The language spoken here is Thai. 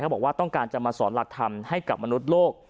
บอกว่าต้องการจะมาสอนหลักธรรมให้กับมนุษย์โลก